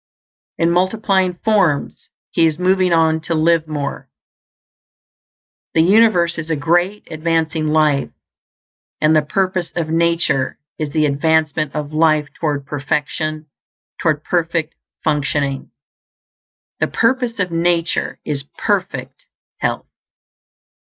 In multiplying forms, He is moving on to live more. The universe is a Great Advancing Life, and the purpose of nature is the advancement of life toward perfection; toward perfect functioning. The purpose of nature is perfect health.